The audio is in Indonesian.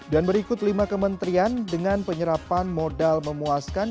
dan berikut lima kementerian dengan penyerapan modal memuaskan